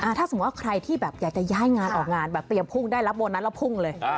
ถ้าสมมุติว่าใครที่แบบอยากจะย้ายงานออกงานแบบเตรียมพุ่งได้รับโบนัสแล้วพุ่งเลย